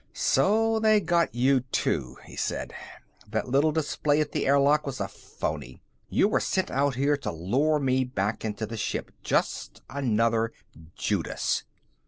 "So they got you too," he said. "That little display at the airlock was a phony. You were sent out here to lure me back into the ship. Just another Judas."